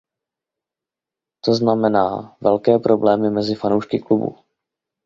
To znamená velké problémy mezi fanoušky klubu.